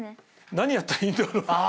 何やったらいいんだろうって。